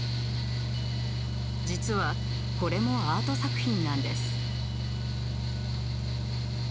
実はこれもアート作品なんです。